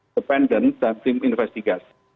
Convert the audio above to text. dept dan tim investigasi